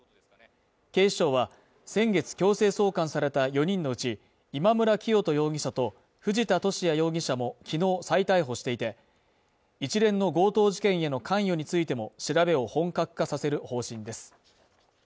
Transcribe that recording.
警視庁は先月強制送還された４人のうち今村磨人容疑者と藤田聖也容疑者も、昨日再逮捕していて、一連の強盗事件への関与についても調べを本格化させる方針です。